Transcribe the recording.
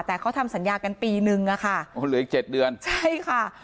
แต่เขาทำสัญญากันปีนึงอะค่ะโอ้เหลืออีกเจ็ดเดือนใช่ค่ะ